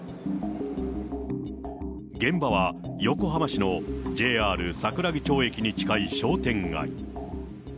現場は横浜市のＪＲ桜木町駅に近い商店街。